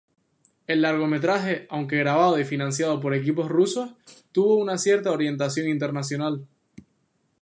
El largometraje, aunque grabado y financiado por equipos rusos, tuvo una cierta orientación internacional.